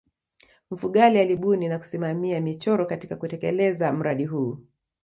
mfugale alibuni na kusimamia michoro katika kutelekeza mradi huu